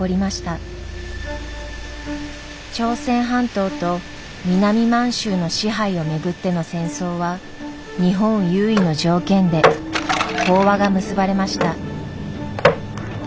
朝鮮半島と南満州の支配を巡っての戦争は日本優位の条件で講和が結ばれました。